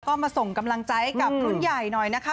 ก็มาส่งกำลังใจให้กับรุ่นใหญ่หน่อยนะคะ